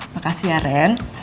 makasih ya ren